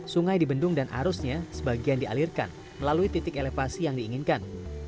sungai di bendung dan arusnya sebagian dialirkan melalui titik elevasi yang diinginkan